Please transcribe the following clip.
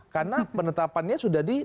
karena penetapannya sudah di